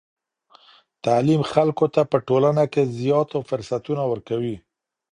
تعلیم خلکو ته په ټولنه کې زیاتو فرصتونو ورکوي.